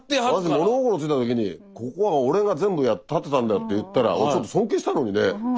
物心ついた時に「ここは俺が全部建てたんだよ」って言ったら俺ちょっと尊敬したのにね。